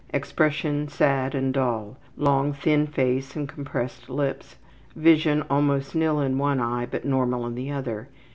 Expression sad and dull. Long thin face and compressed lips. Vision almost nil in one eye, but normal in the other.